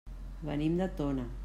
Venim de Tona.